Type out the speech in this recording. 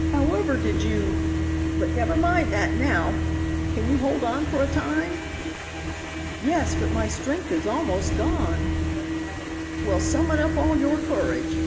However did you but never mind that now. Can you hold on for a time?" "Yes, but my strength is almost gone." "Well, summon up all your courage.